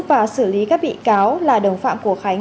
và xử lý các bị cáo là đồng phạm của khánh